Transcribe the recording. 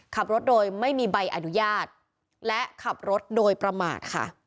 ขับรถโดยไม่มีใบอนุญาตและขับรถโดยประมาทค่ะ